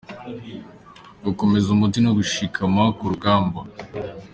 – Gukomeza umutsi no gushikama ku rugamba;